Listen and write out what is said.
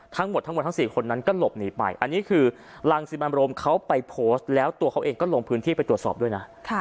ทั้งหมดทั้งหมดทั้ง๔คนนั้นก็หลบหนีไปอันนี้คือรังสิมันโรมเขาไปโพสต์แล้วตัวเขาเองก็ลงพื้นที่ไปตรวจสอบด้วยนะ